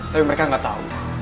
tapi mereka gak tau